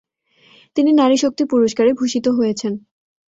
তিনি নারী শক্তি পুরস্কারে ভূষিত হয়েছেন।